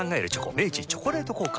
明治「チョコレート効果」